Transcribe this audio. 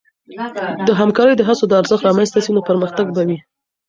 د همکارۍ د هڅو د ارزښت رامنځته سي، نو پرمختګ به وي.